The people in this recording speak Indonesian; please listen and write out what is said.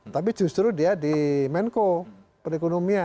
tapi justru dia di menko perekonomian